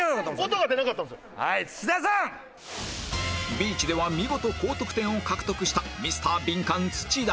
ビーチでは見事高得点を獲得したミスタービンカン土田